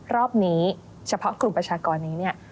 รอบนี้เฉพาะกลุ่มประชากรนี้เนี่ย